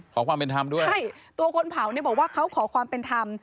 ขอความเป็นธรรมด้วยใช่ตัวคนเผาเนี่ยบอกว่าเขาขอความเป็นธรรม